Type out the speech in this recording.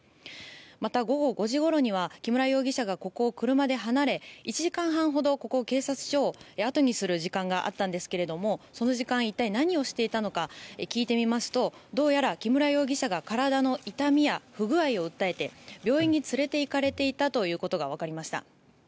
また、午後５時ごろには木村容疑者が、ここを車で離れ１時間半ほどここ、警察署をあとにする時間があったんですけれどもその時間、一体何をしていたのか聞いてみますとどうやら、木村容疑者が体の痛みや不具合を訴えて病院に連れていかれていたということが分かりました。